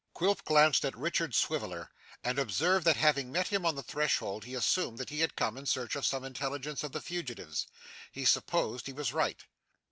Quilp glanced at Richard Swiveller, and observed that having met him on the threshold, he assumed that he had come in search of some intelligence of the fugitives. He supposed he was right?